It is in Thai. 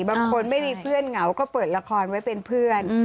ไม่มีเพื่อนเหงาก็เปิดละครไว้เป็นเพื่อน